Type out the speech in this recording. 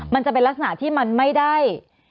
มันจะเป็นลักษณะที่มันไม่ได้